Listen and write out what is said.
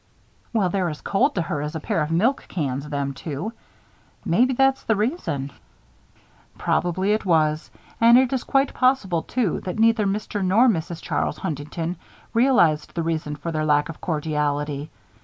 "Well, they're as cold to her as a pair of milk cans, them two. Maybe that's the reason." Possibly it was. And it is quite possible, too, that neither Mr. nor Mrs. Charles Huntington realized the reason for their lack of cordiality.